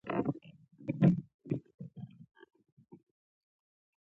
که یې دلته یادونه وکړم اصلي مطلب به پاتې شي.